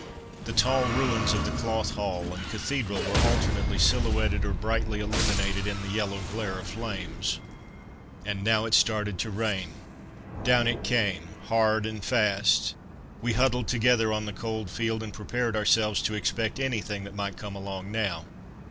The tall ruins of the Cloth Hall and Cathedral were alternately silhouetted or brightly illuminated in the yellow glare of flames. And now it started to rain. Down it came, hard and fast. We huddled together on the cold field and prepared ourselves to expect anything that might come along now.